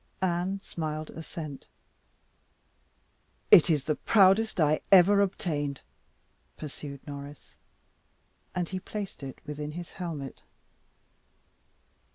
Anne smiled assent. "It is the proudest I ever obtained," pursued Norris. And he placed it within his helmet.